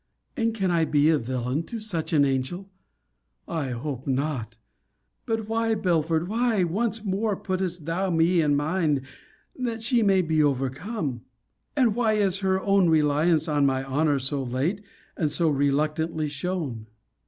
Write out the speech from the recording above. And can I be a villain to such an angel! I hope not But why, Belford, why, once more, puttest thou me in mind, that she may be overcome? And why is her own reliance on my honour so late and so reluctantly shown?